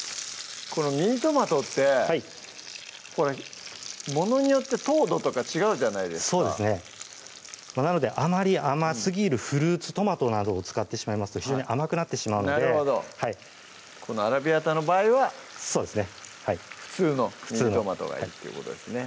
このミニトマトってはいものによって糖度とか違うじゃないですかあまり甘すぎるフルーツトマトなどを使ってしまいますと非常に甘くなってしまうのでなるほどこの「アラビアータ」の場合はそうですね普通のミニトマトがいいということですね